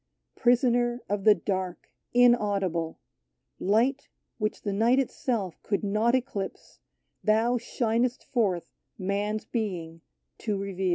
Prisoner of the dark, inaudible — Light, which the night itself could not eclipse, Thou shinest forth Man's being to reveal.